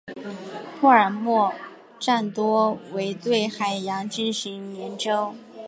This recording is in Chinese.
帕尔默站多为对海洋生物进行研究。